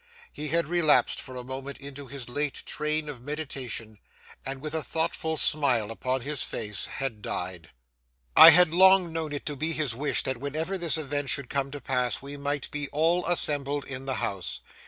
He had relapsed for a moment into his late train of meditation, and, with a thoughtful smile upon his face, had died. I had long known it to be his wish that whenever this event should come to pass we might be all assembled in the house.